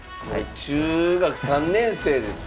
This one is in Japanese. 中学３年生です